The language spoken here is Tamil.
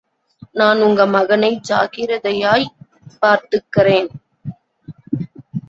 நான் உங்க மகனை ஜாக்கிரதையாப் பார்த்துக்கறேன்.